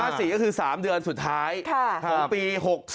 ๔ก็คือ๓เดือนสุดท้ายของปี๖๓